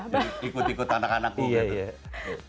jadi ikut ikut anak anak gue gitu